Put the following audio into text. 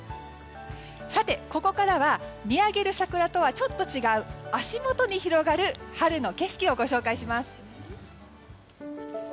さて、ここからは見上げる桜とはちょっと違う足元に広がる春の景色をご紹介します。